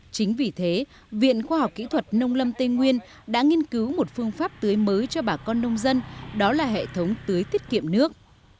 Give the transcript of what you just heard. chính vì thế viện khoa học kỹ thuật nông lâm tây nguyên đã nghiên cứu một phương pháp tưới mới cho bà con nông dân đó là hệ thống tưới tiết kiệm nước